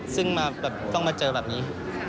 ซึ่งต้องมาเจอแบบนี้